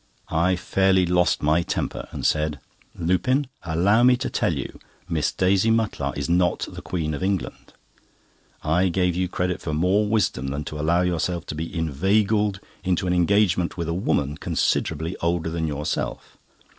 I fairly lost my temper, and said: "Lupin, allow me to tell you Miss Daisy Mutlar is not the Queen of England. I gave you credit for more wisdom than to allow yourself to be inveigled into an engagement with a woman considerably older than yourself.